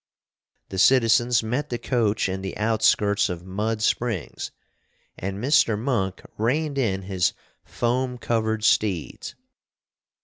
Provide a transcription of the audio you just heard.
The citizens met the coach in the outskirts of Mud Springs, and Mr. Monk reined in his foam covered steeds.